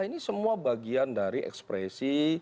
ini semua bagian dari ekspresi